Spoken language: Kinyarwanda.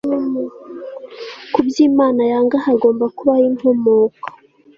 Kubyo Imana yanga hagomba kubaho inkomoko